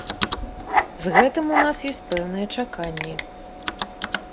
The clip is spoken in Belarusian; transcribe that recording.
З гэтым у нас ёсць пэўныя чаканні.